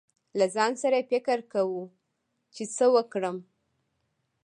له ځان سره يې فکر کو، چې څه ورکړم.